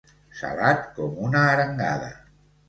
Salat com una arengada.